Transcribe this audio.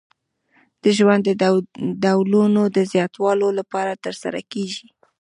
د ژوند د ډولونو د زیاتوالي لپاره ترسره کیږي.